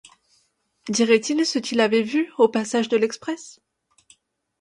Dirait-il ce qu'il avait vu, au passage de l'express?